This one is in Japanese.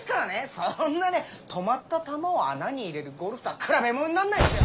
そんなね止まった球を穴に入れるゴルフとは比べものになんないですよ。